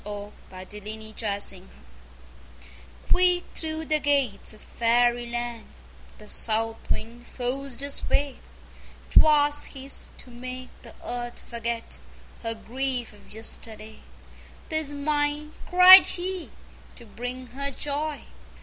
OUT OF DOORS Early Spring Quick through the gates of Fairyland The South Wind forced his way. 'Twas his to make the Earth forget Her grief of yesterday. "'Tis mine," cried he, "to bring her joy!"